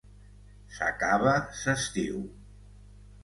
S'acaba s'estiu